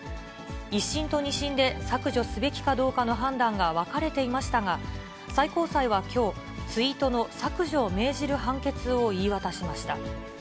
１審と２審で削除すべきかどうかの判断が分かれていましたが、最高裁はきょう、ツイートの削除を命じる判決を言い渡しました。